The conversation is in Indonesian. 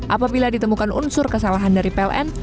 apabila ditemukan unsur kesalahan dari pln